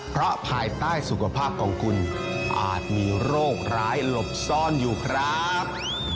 เพราะภายใต้สุขภาพของคุณอาจมีโรคร้ายหลบซ่อนอยู่ครับ